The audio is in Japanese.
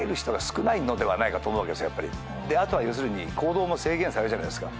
あとは要するに行動も制限されるじゃないですか。